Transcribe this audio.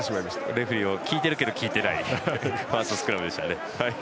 レフリーを聞いているけど聞いてないファーストスクラムでした。